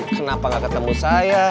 kenapa gak ketemu saya